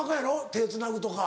手つなぐとか。